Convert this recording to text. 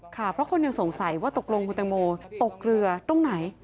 ค่ะเพราะคนยังสงสัยว่าตกลงมูรณ์ไฟมูร์ตกเรือตรงไหน